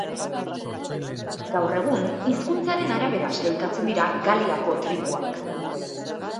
Gaur egun, hizkuntzaren arabera sailkatzen dira Galiako tribuak.